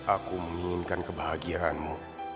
aku menginginkan kebahagiaanmu